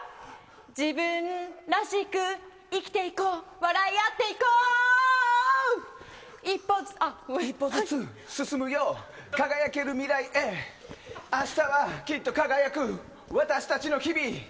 自分らしく生きていこう笑い合っていこう自分らしく生きていこう笑い合っていこう一方ずつ進むよ輝ける未来へ明日はきっと輝く私たちの日々。